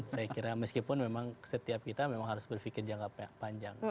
saya kira meskipun memang setiap kita memang harus berpikir jangka panjang